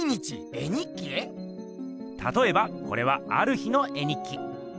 たとえばこれはある日の絵日記。